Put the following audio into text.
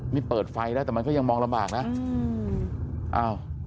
นี่เปิดไฟได้แต่มันก็ยังมองลำบากนะอืมอ้าว